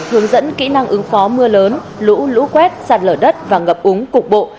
hướng dẫn kỹ năng ứng phó mưa lớn lũ lũ quét sạt lở đất và ngập úng cục bộ